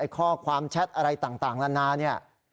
ข้อความแชทอะไรต่างนานาเนี่ย